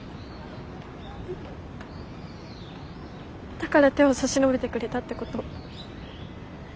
だから手を差し伸べてくれたってこと？